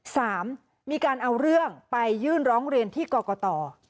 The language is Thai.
สามมีการเอาเรื่องไปยื่นร้องเรียนที่กรกต